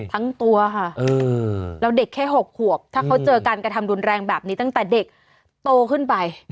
ทั้งตัวค่ะแล้วเด็กแค่๖ขวบถ้าเขาเจอการกระทำรุนแรงแบบนี้ตั้งแต่เด็กโตขึ้นไป